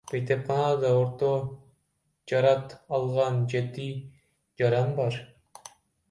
Бейтапканада орто жарат алган жети жаран бар.